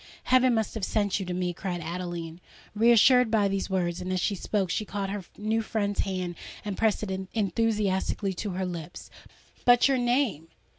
—heaven must have sent you to me!" cried Adeline, reassured by these words; and, as she spoke, she caught her new friend's hand and pressed it enthusiastically to her lips. "But, your name!